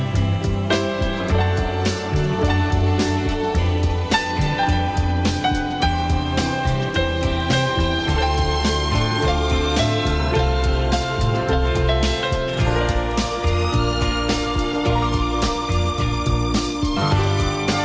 hẹn gặp lại